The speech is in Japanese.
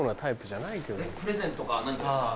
プレゼントか何かですか？